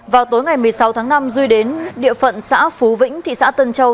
vào tối ngày một mươi sáu tháng năm duy đến địa phận xã phú vĩnh thị xã tân châu